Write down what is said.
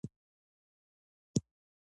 هلته مې تاسو ته څه شيان پاخه کړي دي.